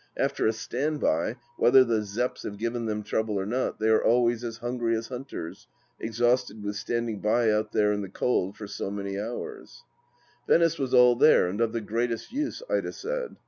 After a Stand by, whether the Zepps have given them trouble or not, they are always as hungry as hunters, exhausted with standing by out there in the cold for so many hours, Venice was all there and of the greatest use, Ida said.